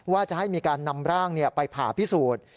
ว่าจะให้มีการนำร่างไปผ่าพิสูจน์